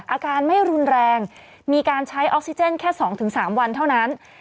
อาการไม่รุนแรงมีการใช้ออกซิเจนแค่๒๓วันเท่านั้น